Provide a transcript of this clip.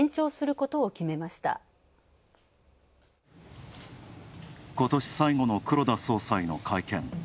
ことし最後の黒田総裁の会見。